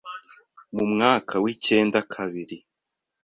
mu mwaka w’ikenda kabiri